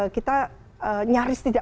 kita nyaris tidak